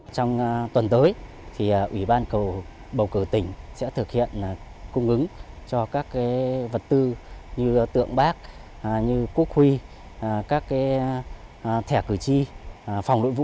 trong tuần tới thì ủy ban bầu cử tỉnh sẽ thực hiện cung ứng cho các vật tư như tượng bác quốc huy thẻ cử tri phòng nội vụ